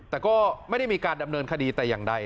แต่ก็ไม่ได้มีการดำเนินคดีแต่อย่างใด